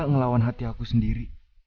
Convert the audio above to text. ngelawan hati aku sendiri